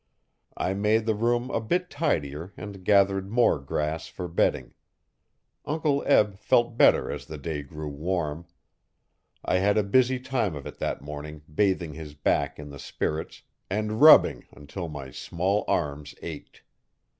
I made the room a bit tidier and gathered more grass for bedding. Uncle Eb felt better as the day grew warm. I had a busy time of it that morning bathing his back in the spirits and rubbing until my small arms ached.